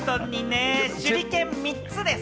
手裏剣３つです。